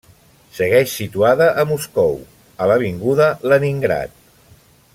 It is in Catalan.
Segueix situada a Moscou, a l'avinguda Leningrad.